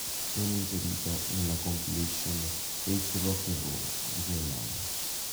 Venne inserito nella compilation "Hate Rock 'n' Roll" di quell'anno.